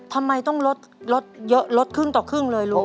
ทำไมต้องลดลดเยอะลดครึ่งต่อครึ่งเลยลุง